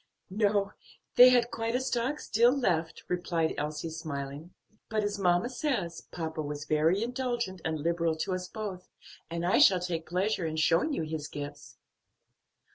"No, they had quite a stock still left," replied Elsie, smiling; "but, as mamma says, papa was very indulgent and liberal to us both; and I shall take pleasure in showing you his gifts."